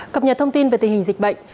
cập nhật thông tin về tình hình dịch bệnh